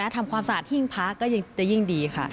ทำความสะอาดหิ้งพระก็จะยิ่งดีค่ะ